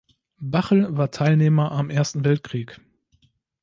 Bachl war Teilnehmer am Ersten Weltkrieg.